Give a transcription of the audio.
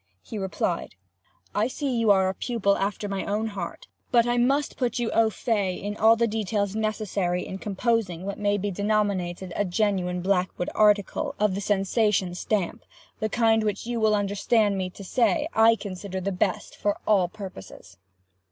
he replied. "I see you are a pupil after my own heart. But I must put you au fait to the details necessary in composing what may be denominated a genuine Blackwood article of the sensation stamp—the kind which you will understand me to say I consider the best for all purposes.